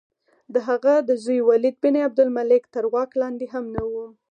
د هغه د زوی ولید بن عبدالملک تر واک لاندې هم نه وه.